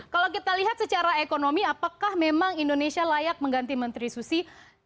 kalau kita lihat secara ekonomi apakah memang indonesia layak mengganti menteri susi